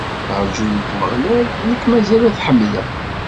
Rǧu deg Umeɣlal! Nekk mazal ad t-ḥemdeɣ.